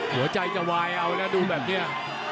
หัวใจจะวายเอานะดูแบบนี้